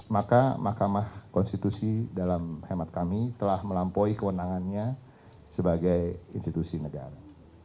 maka mahkamah konstitusi dalam hemat kami telah melampaui kewenangannya sebagai institusi negara